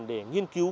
để nghiên cứu